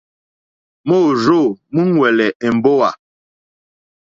Môrzô múúŋwɛ̀lɛ̀ èmbówà.